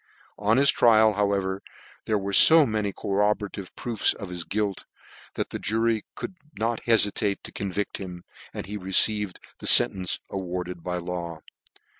On his trial, however, there were lo many corroborative proofs of his gwjt, that the jury could not beiitate to convict him, and he received the fentence awarded by law.